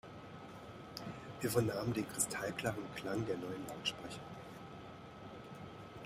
Wir vernahmen den kristallklaren Klang der neuen Lautsprecher.